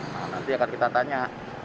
nanti akan kita tanya